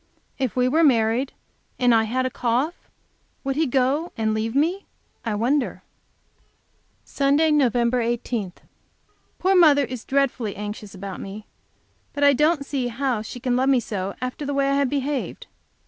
If we were married, and I had a cough, would he go and leave me, I wonder? Sunday, Nov 18 Poor mother is dreadfully anxious about me. But I don't see how she can love me so, after the way I have behaved.